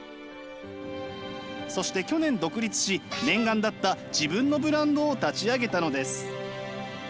そして去年独立し念願だった自分のブランドを立ち上げたのです。